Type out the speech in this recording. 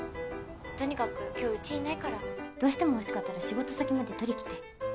とにかく今日うちいないからどうしても欲しかったら仕事先まで取り来て。